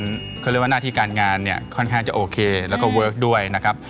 เขาเรียกว่าหน้าที่การงานเนี่ยค่อนข้างจะโอเคแล้วก็เวิร์คด้วยนะครับ